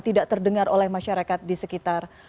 tidak terdengar oleh masyarakat di sekitar